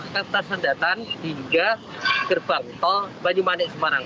ketersendatan hingga gerbang tol banyumanik semarang